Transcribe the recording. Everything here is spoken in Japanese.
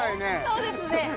そうですね